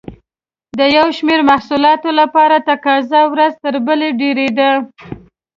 د یو شمېر محصولاتو لپاره تقاضا ورځ تر بلې ډېرېده.